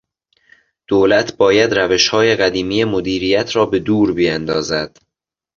دولت باید روشهای قدیمی مدیریت را به دور بیاندازد.